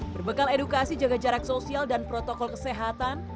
berbekal edukasi jaga jarak sosial dan protokol kesehatan